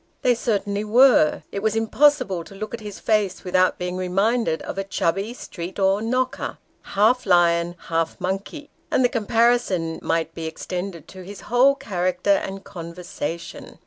They certainly were. It was impossible to look at his face without being reminded of a chubby street door knocker, half lion half monkey ; and the comparison might be extended to his whole character and conversation.